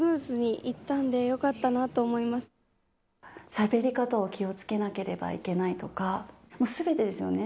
しゃべり方に気を付けなければいけないとか全てですよね